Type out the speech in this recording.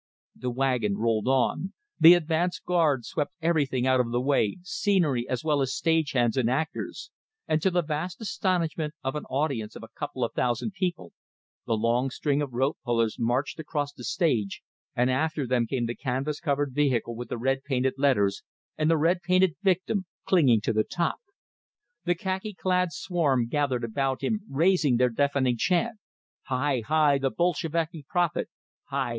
The wagon rolled on; the advance guard swept everything out of the way, scenery as well as stage hands and actors, and to the vast astonishment of an audience of a couple of thousand people, the long string of rope pullers marched across the stage, and after them came the canvas covered vehicle with the red painted letters, and the red painted victim clinging to the top. The khaki clad swarm gathered about him, raising their deafening chant: "Hi! Hi! The Bolsheviki prophet. Hi!